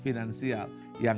bukan hanya investasi emosional